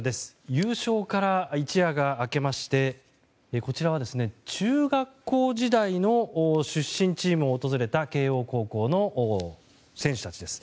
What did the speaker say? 優勝から一夜が明けましてこちらは中学校時代の出身チームを訪れた慶応高校の選手たちです。